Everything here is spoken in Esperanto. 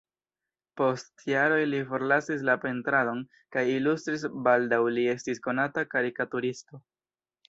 Post jaroj li forlasis la pentradon kaj ilustris, baldaŭ li estis konata karikaturisto.